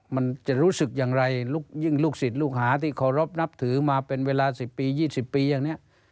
มันจะรู้สึกอย่างไรยิ่งลูกศิษย์ลูกหาที่เคารพนับถือมาเป็นเวลา๑๐ปี๒๐ปีอย่างนี้